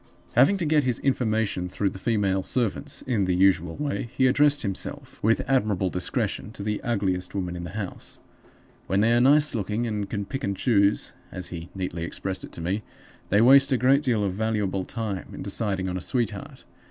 "Having to get his information through the female servants in the usual way, he addressed himself, with admirable discretion, to the ugliest woman in the house. 'When they are nice looking, and can pick and choose,' as he neatly expressed it to me, 'they waste a great deal of valuable time in deciding on a sweetheart.